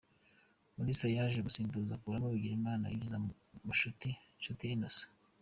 Mulisa yaje gusimbuza akuramo Bigirimana yinjiza Nshuti Innocent.